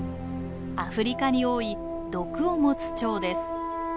アフリカに多い毒を持つチョウです。